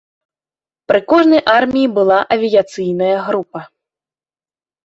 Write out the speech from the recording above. Пры кожнай арміі была авіяцыйная група.